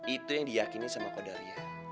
itu yang diyakinin sama qadariyah